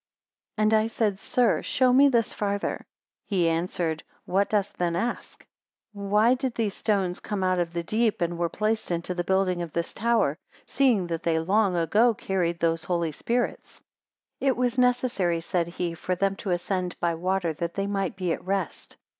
150 And I said, sir, show me this farther. He answered, What dost then ask? Why did these stones come out of the deep, and were placed into the building of this tower, seeing that they long ago carried those holy spirits? 151 It was necessary, said he, for them to ascend by water, that they might be at rest.